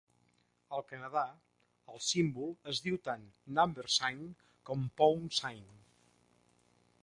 Al Canadà, el símbol es diu tant "number sign" com "pound sign".